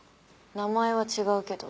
名前は違うけど。